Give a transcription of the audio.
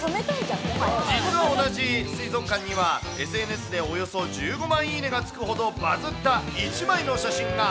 実は同じ水族館には、ＳＮＳでおよそ１５万いいねがつくほどバズった１枚の写真が。